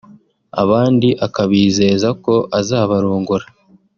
abandi akabizeza ko azabarongora